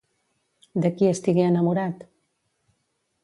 De qui estigué enamorat?